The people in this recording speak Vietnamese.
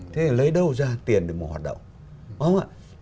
thế thì lấy đâu ra tiền để mở hoạt động